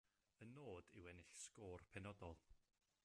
Y nod yw ennill sgôr penodol.